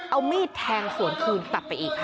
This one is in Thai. เอามีดแทงสวนคืนกลับไปอีกค่ะ